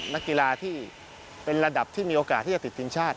นักกีฬาที่เป็นระดับที่มีโอกาสที่จะติดทีมชาติ